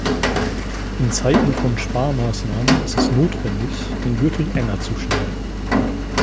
In Zeiten von Sparmaßnahmen ist es notwendig, den Gürtel enger zu schnallen.